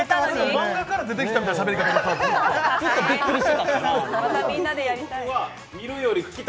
漫画から出てきたみたいなしゃべり方してた。